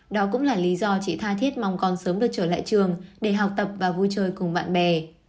đó cũng là lý do chị tha thiết mong con sớm được trở lại trường để học tập và vui chơi cùng bạn bè